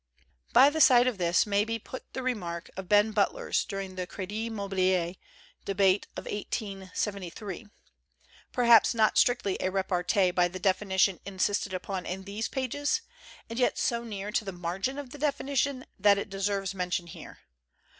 By the side of this may be put a remark of Ben Butler's during the Credit Mobilier de bate of 1873, perhaps not strictly a repartee by the definition insisted upon in these pages, and yet so near to the margin of the definition that it deserves mention here.